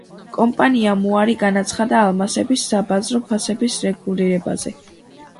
კომპანიამ უარი განაცხადა ალმასების საბაზრო ფასების რეგულირებაზე.